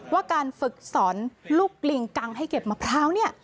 ว่าการฝึกสอนลูกลิงกังให้เก็บมะพร้าวเนี่ย